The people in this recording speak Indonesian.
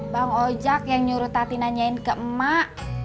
bang ojak yang nyuruh tati nanyain ke emak